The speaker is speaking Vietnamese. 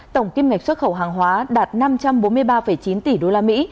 tổng kinh ngạch xuất khẩu hàng hóa đạt năm trăm bốn mươi ba chín tỷ usd